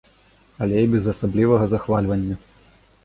Але і без асаблівага захвальвання.